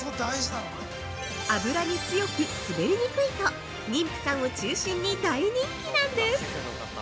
油に強く、滑りにくいと妊婦さんを中心に大人気なんです。